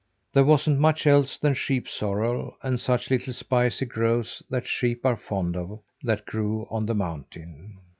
There wasn't much else than sheep sorrel and such little spicy growths as sheep are fond of that grew on the mountain.